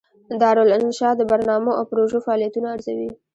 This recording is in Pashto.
دارالانشا د برنامو او پروژو فعالیتونه ارزوي.